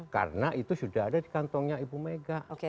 karena itu sudah ada di kantongnya ibu mega